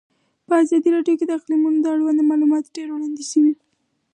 په ازادي راډیو کې د اقلیتونه اړوند معلومات ډېر وړاندې شوي.